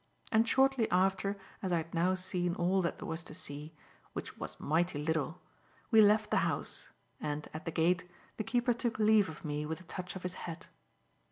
And shortly after as I had now seen all that there was to see, which was mighty little, we left the house, and, at the gate, the keeper took leave of me with a touch of his hat.